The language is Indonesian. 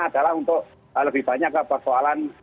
adalah untuk lebih banyak ke persoalan